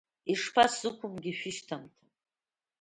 Ишԥасзықәымгеи шәышьҭамҭа!